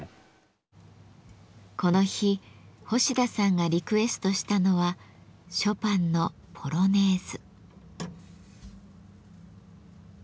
この日星田さんがリクエストしたのはショパンの「ポロネーズ」。